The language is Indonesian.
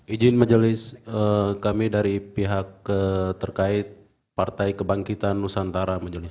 ijin majelis kami dari pihak terkait partai kebangkitan nusantara majelis